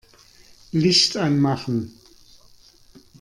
Licht anmachen.